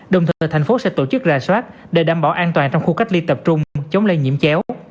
đồng thời thành phố sẽ tổ chức rà soát để đảm bảo an toàn trong khu cách ly tập trung chống lây nhiễm chéo